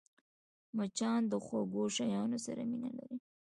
مچان د خوږو شيانو سره مینه لري